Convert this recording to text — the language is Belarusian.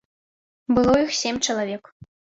Было іх сем чалавек.